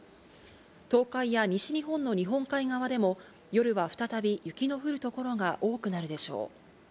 東海や西日本の日本海側でも、夜は再び雪の降る所が多くなるでしょう。